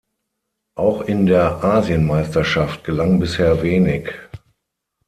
Auch in der Asienmeisterschaft gelang bisher wenig.